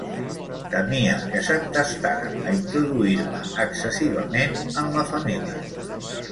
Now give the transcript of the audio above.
Temia que s’entestara a introduir-me excessivament en la família.